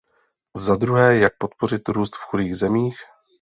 Za druhé jak podpořit růst v chudých zemích?